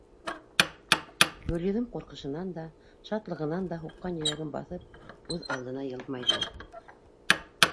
Гөлйөҙөм ҡурҡышынан да, шатлығынан да һуҡҡан йөрәген баҫып, үҙ алдына йылмайҙы.